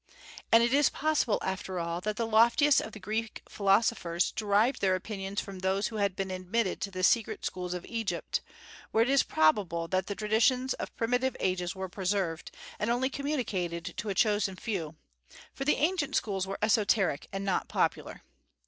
And it is possible, after all, that the loftiest of the Greek philosophers derived their opinions from those who had been admitted to the secret schools of Egypt, where it is probable that the traditions of primitive ages were preserved, and only communicated to a chosen few; for the ancient schools were esoteric and not popular.